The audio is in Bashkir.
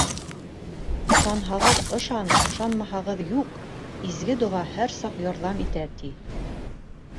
Ышанһағыҙ ышан, ышанмаһағыҙ юҡ: изге доға һәр саҡ ярҙам итә, ти.